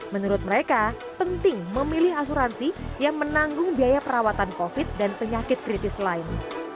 menurut mereka penting memilih asuransi yang menanggung biaya perawatan covid dan penyakit kritis lain